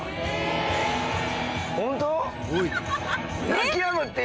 泣きやむって